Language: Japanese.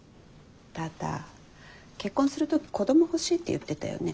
ただ結婚するとき子ども欲しいって言ってたよね。